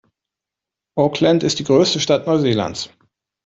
Auckland ist die größte Stadt Neuseelands.